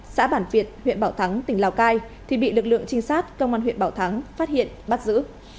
xã bản việt huyện bảo thắng tỉnh lào cai thì bị lực lượng trinh sát công an huyện bảo thắng phát hiện bắt giữ